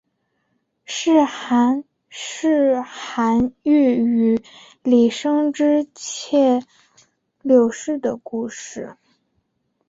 是寒士韩翃与李生之婢妾柳氏的故事。